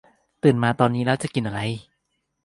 ตื่นมาตอนนี้แล้วจะกินอะไร